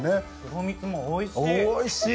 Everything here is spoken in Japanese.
お水もおいしい。